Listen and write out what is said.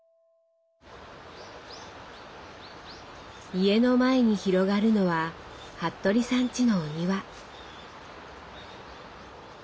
家の前に広がるのは服部さんちのお庭。